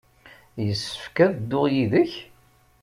Yessefk ad dduɣ yid-k?